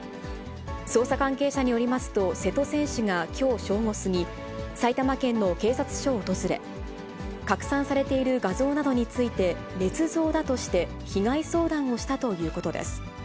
捜査関係者によりますと、瀬戸選手がきょう正午過ぎ、埼玉県の警察署を訪れ、拡散されている画像などについて、ねつ造だとして被害相談をしたということです。